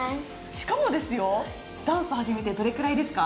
しかもダンス始めてどれぐらいですか？